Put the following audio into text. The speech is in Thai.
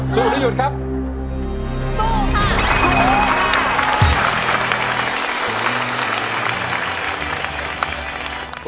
สู้หรือหยุดครับสู้ค่ะ